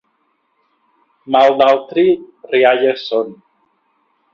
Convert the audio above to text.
Mal d'altri, rialles són.